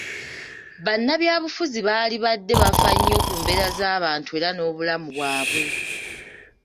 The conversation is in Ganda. Bannabyabufuzi baalibadde bafa nnyo ku mbeera z'abantu era n'obulamu bwabwe.